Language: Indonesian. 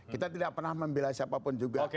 kita tidak pernah membela siapapun juga